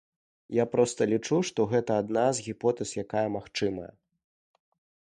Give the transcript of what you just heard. Я проста лічу, што гэта адна з гіпотэз, якая магчымая.